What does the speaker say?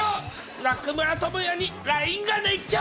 中村倫也にＬＩＮＥが熱狂。